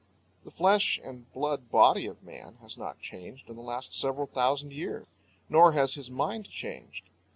The flesh and blood body of man has not changed in the last several thousand years. Nor has his mind changed.